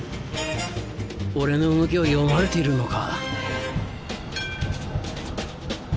俺の動きを読まれているのか？